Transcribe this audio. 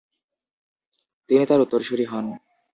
তিনি তার উত্তরসুরি হন।